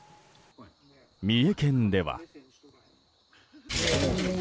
三重県では。